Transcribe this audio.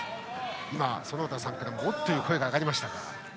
今、園田さんからもおっという声が上がりました。